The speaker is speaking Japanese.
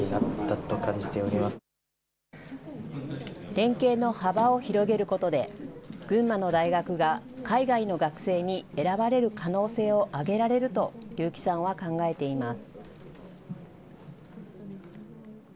連携の幅を広げることで、群馬の大学が海外の学生に選ばれる可能性を上げられると、結城さんは考えています。